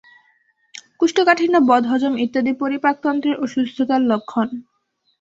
কোষ্ঠকাঠিন্য, বদহজম ইত্যাদি পরিপাকতন্ত্রের অসুস্থতার লক্ষণ।